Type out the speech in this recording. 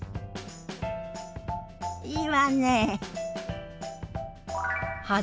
いいわね。